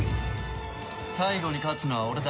最後に勝つのは俺だ。